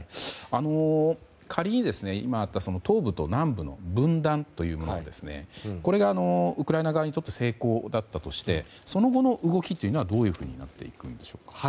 仮に今あった東部と南部の分断というものがこれが、ウクライナ側にとって成功だったとしてその後の動きはどういうふうになっていくんでしょうか。